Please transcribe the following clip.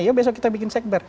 ya besok kita bikin segber